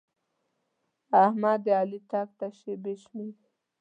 احمد د علي راتګ ته شېبې شمېري.